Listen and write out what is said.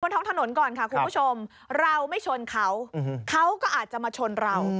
ท้องถนนก่อนค่ะคุณผู้ชมเราไม่ชนเขาเขาก็อาจจะมาชนเรา